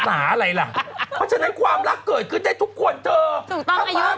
มันอยากจะจะมีแฟนจริงหรอเขาก็ต้องยาก